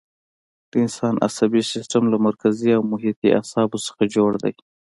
د انسان عصبي سیستم له مرکزي او محیطي اعصابو څخه جوړ دی.